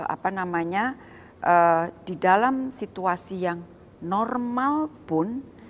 apa namanya di dalam situasi yang normal pun